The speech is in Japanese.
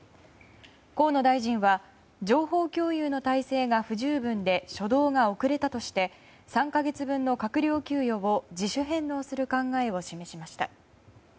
河野大臣は、情報共有の体制が不十分で初動が遅れたとして３か月分の閣僚給与を自主返納する考えを示しました。